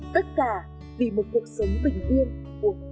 tất cả vì một cuộc sống bình yên của người dân